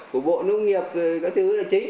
của bộ nông nghiệp cái thứ là chính